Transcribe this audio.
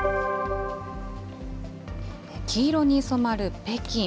黄色に染まる北京。